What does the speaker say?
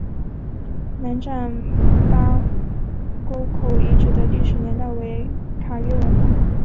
兰占巴沟口遗址的历史年代为卡约文化。